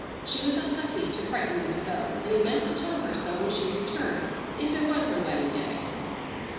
She was a hussy to frighten them so, and he meant to tell her so when she returned, if it was her wedding day.